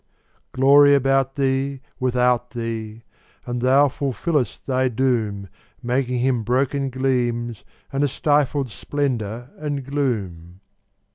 Glory about thee, without thee; and thou fulfillest thy doom, Making Him broken gleams, and a stifled splendour and gloom.